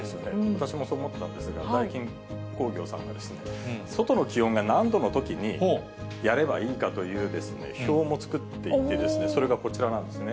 私もそう思ったんですが、ダイキン工業さんが、外の気温が何度のときにやればいいかという表も作っていてですね、それがこちらなんですね。